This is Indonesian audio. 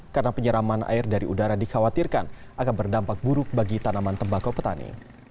karena penyeraman air dari udara dikhawatirkan akan berdampak buruk bagi tanaman tembakau petani